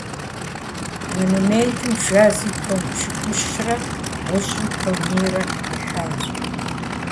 Монументым жэзу тонн пщыкӏущрэ, гъущӀу тоннийрэ ихьащ.